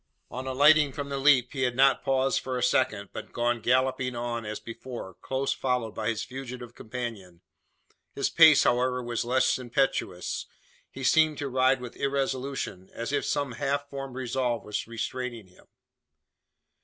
On alighting from the leap, he had not paused for a second, but gone galloping on as before, close followed by his fugitive companion. His pace, however, was less impetuous. He seemed to ride with irresolution, or as if some half formed resolve was restraining him.